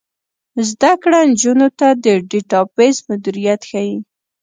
زده کړه نجونو ته د ډیټابیس مدیریت ښيي.